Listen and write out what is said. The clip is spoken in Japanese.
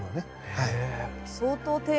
はい。